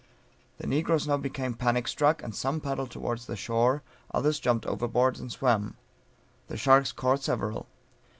The negroes now became panic struck, and some paddled towards the shore, others jumped overboard and swam; the sharks caught several.